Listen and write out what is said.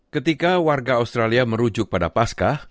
ketika warga australia merujuk pada paskah